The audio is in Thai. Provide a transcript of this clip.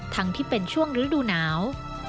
ทั้งที่เป็นช่วงฤดูหนาว